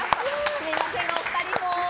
すみませんが、お二人も。